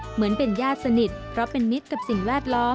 เหมือนเป็นญาติสนิทเพราะเป็นมิตรกับสิ่งแวดล้อม